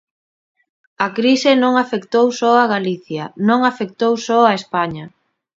A crise non afectou só a Galicia, non afectou só a España.